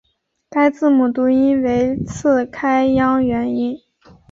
该字母读音为次开央元音。